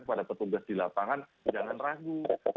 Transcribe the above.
kepada petugas di lapangan jangan ragu